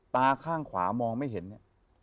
ตาข้างขวามองไม่เห็นเนี่ย